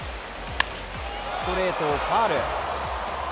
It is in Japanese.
ストレートをファウル。